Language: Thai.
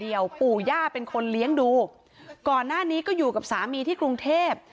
ปู่ย่าเป็นคนเลี้ยงดูก่อนหน้านี้ก็อยู่กับสามีที่กรุงเทพ